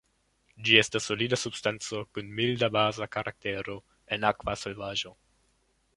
Ĝi estas solida substanco kun milda baza karaktero en akva solvaĵo.